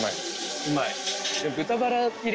うまい？